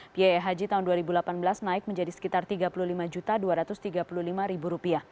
biaya haji tahun dua ribu delapan belas naik menjadi sekitar rp tiga puluh lima dua ratus tiga puluh lima